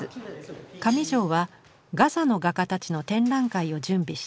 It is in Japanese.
上條はガザの画家たちの展覧会を準備していた。